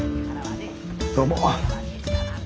どうも。